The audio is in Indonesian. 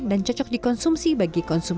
dan cocok dikonsumsi bagi konsumen